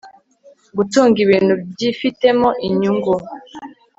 gutunga ibintu byifitemo inyungu